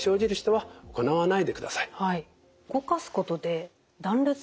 はい。